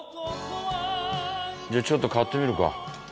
じゃちょっと買ってみるか。